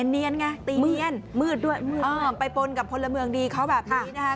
เนี๊ยนไงมืดด้วยไปปนกับคนละเมืองดีเขาแบบนี้นะคะ